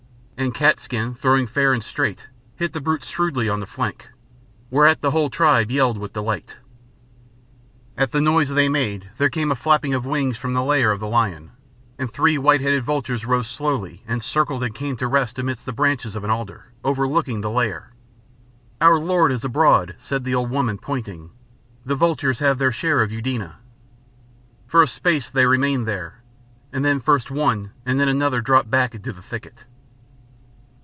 And Cat's skin, throwing fair and straight, hit the brute shrewdly on the flank, whereat the whole tribe yelled with delight. At the noise they made there came a flapping of wings from the lair of the lion, and three white headed vultures rose slowly and circled and came to rest amidst the branches of an alder, overlooking the lair. "Our lord is abroad," said the old woman, pointing. "The vultures have their share of Eudena." For a space they remained there, and then first one and then another dropped back into the thicket.